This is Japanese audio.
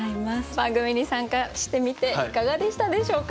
番組に参加してみていかがでしたでしょうか？